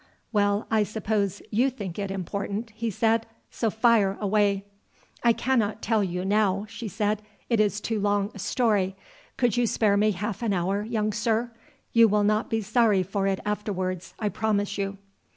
"Well, I suppose you think it important," he said; "so fire away." "I cannot tell you now," she said; "it is too long a story. Could you spare me half an hour, young sir? You will not be sorry for it afterwards, I promise you."